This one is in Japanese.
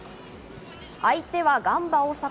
相手はガンバ大阪。